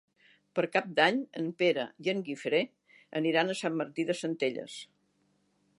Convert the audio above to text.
Per Cap d'Any en Pere i en Guifré aniran a Sant Martí de Centelles.